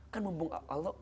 kan mumbung allah